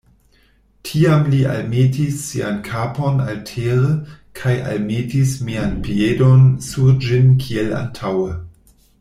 Tiam li almetis sian kapon altere kaj almetis mian piedon sur ĝin, kiel antaŭe.